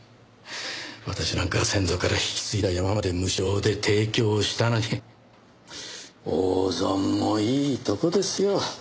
私なんか先祖から引き継いだ山まで無償で提供したのに大損もいいとこですよ。